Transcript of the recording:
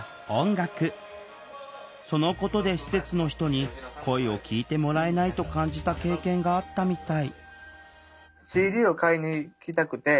そのことで施設の人に声を聴いてもらえないと感じた経験があったみたい